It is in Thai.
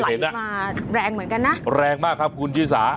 เห็นอ่ะมาแรงเหมือนกันนะแรงมากครับคุณชิสา